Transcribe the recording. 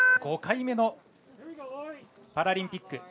５回目のパラリンピック。